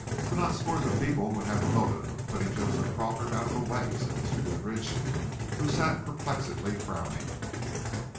"But not scores of people would have a motive for putting Joseph Crawford out of the way," said Mr. Goodrich, who sat perplexedly frowning.